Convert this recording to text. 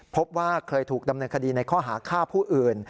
พบว่าเคยถูกดำเนินคดีในข้อหาฆ่าผู้อื่น